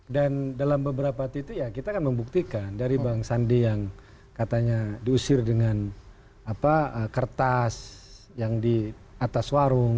dan dalam beberapa titik ya kita akan membuktikan dari bang sandi yang katanya diusir dengan kertas yang di atas warung